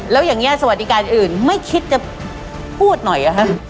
แล้วอย่างนี้สวัสดิการอื่นไม่คิดจะพูดหน่อย